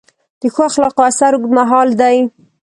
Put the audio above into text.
د ښو اخلاقو اثر اوږدمهاله دی.